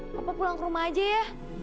bapak pulang ke rumah aja ya